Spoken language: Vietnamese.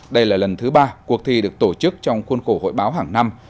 đây là lần thứ ba cuộc thi được tổ chức trong khuôn khổ hội báo hàng năm